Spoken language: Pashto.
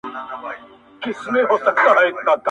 o بې پروا سي بس له خپلو قریبانو,